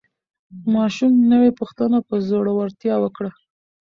ماشوم نوې پوښتنه په زړورتیا وکړه